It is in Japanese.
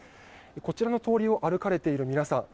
こちらの通りを歩かれている皆さん